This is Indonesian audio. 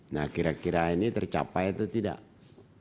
nah kira kira saya ingin mengucapkan terima kasih kepada pak ketua